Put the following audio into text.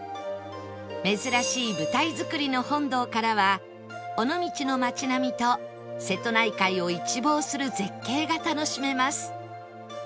珍しい舞台造の本堂からは尾道の街並みと瀬戸内海を一望する絶景が楽しめます